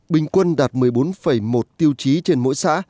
bình quân đạt một mươi bốn một tiêu chí trên mỗi xã